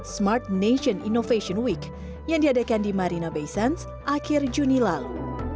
smart nation innovation week yang diadakan di marina base akhir juni lalu